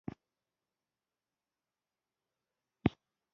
احمدشاه بابا به د سولي خبرو ته لومړیتوب ورکاوه.